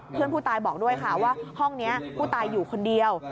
เพื่อนผู้ตายบอกด้วยค่ะว่าห้องนี้ผู้ตายอยู่คนเดียว